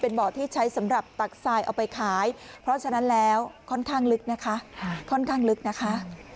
เป็นบ่อที่ใช้สำหรับตักทรายเอาไปขายเพราะฉะนั้นแล้วค่อนข้างลึกนะคะ